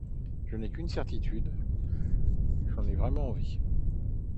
Je n’ai qu’une certitude : j’en ai vraiment envie.